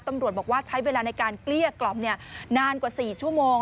ตำรวจบอกว่าใช้เวลาในการเกลี้ยกล่อมนานกว่า๔ชั่วโมง